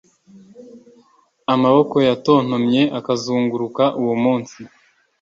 Amaboko yatontomye akazunguruka uwo munsi